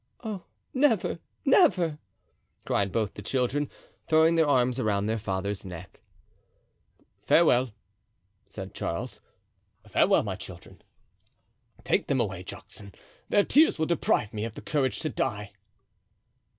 "Oh! never, never!" cried both the children, throwing their arms around their father's neck. "Farewell," said Charles, "farewell, my children. Take them away, Juxon; their tears will deprive me of the courage to die."